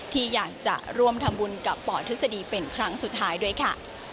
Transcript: ที่อยากจะร่วมทำบุญกับปทฤษฎีเป็นครั้งสุดท้ายด้วยค่ะ